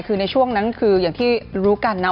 คือในช่วงนั้นคืออย่างที่รู้กันนะ